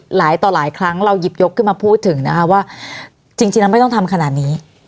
หลายต่อหลายครั้งเราหยิบยกขึ้นมาพูดถึงนะคะว่าจริงแล้วไม่ต้องทำขนาดนี้